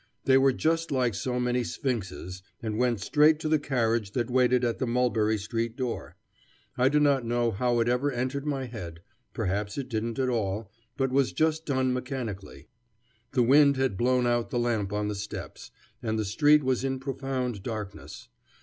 They were just like so many sphinxes, and went straight to the carriage that waited at the Mulberry Street door. I do not know how it ever entered my head; perhaps it didn't at all, but was just done mechanically. The wind had blown out the lamp on the steps, and the street was in profound darkness.